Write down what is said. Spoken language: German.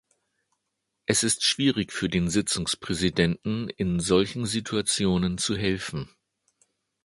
Es ist schwierig für den Sitzungspräsidenten, in solchen Situationen zu helfen.